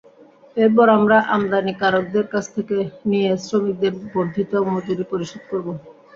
এরপর আমরা আমদানিকারকদের কাছ থেকে নিয়ে শ্রমিকদের বর্ধিত মজুরি পরিশোধ করব।